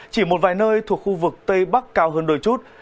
chỉ một vài nơi thuộc khu vực tây bắc cao hơn đôi chút